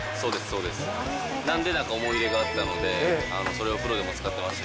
なので、なんか思い出があったので、それをプロでも使ってます。